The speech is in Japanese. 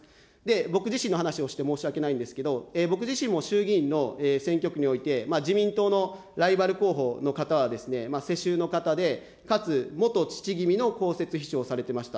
僕自身の話をして、申し訳ないんですけど、僕自身も衆議院の選挙区において、自民党のライバル候補の方は、世襲の方で、かつ元父君の公設秘書をされておりました。